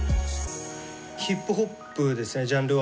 ヒップホップですねジャンルは。